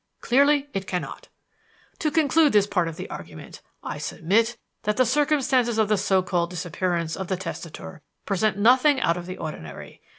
Clearly it cannot. "To conclude this part of the argument: I submit that the circumstances of the so called disappearance of the testator present nothing out of the ordinary.